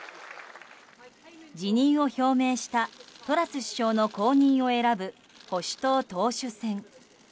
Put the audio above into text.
辞意を表明したトラス首相の後任を選ぶ保守党党首選。